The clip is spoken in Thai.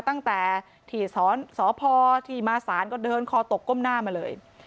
ตั้งแต่ที่สพที่มาศาลก็เดินคอตกก้มหน้ามาเลย